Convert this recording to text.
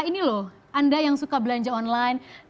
ini loh anda yang suka belanja online